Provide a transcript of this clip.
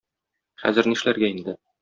Хәзер нишләргә инде?